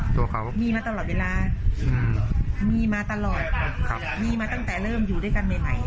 ตัวเขามีมาตลอดเวลามีมาตลอดมีมาตั้งแต่เริ่มอยู่ด้วยกันใหม่